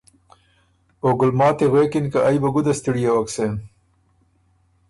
او ګلماتی غوېکِن که ائ بُو ګده ستِړيېوک سېن،